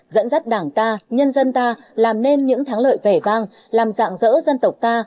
dẫn dắt đảng ta nhân dân ta làm nên những thắng lợi vẻ vang làm dạng dỡ dân tộc ta